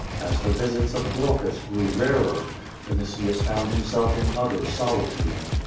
As the visits of Glaucus grew rarer, Vinitius found himself in utter solitude.